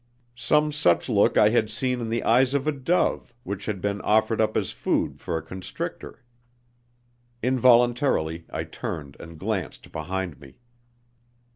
Some such look I had seen in the eyes of a dove which had been offered up as food for a constrictor. Involuntarily I turned and glanced behind me.